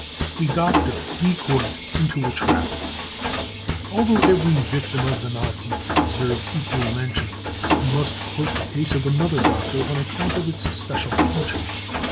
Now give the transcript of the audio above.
55 A Doctor Decoyed into a Trap. Although every victim of the Nazis deserves equal mention, we must quote the case of another doctor on account of its special features.